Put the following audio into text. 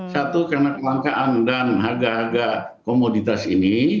satu karena kelangkaan dan harga harga komoditas ini